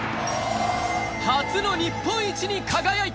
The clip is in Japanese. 初の日本一に輝いた。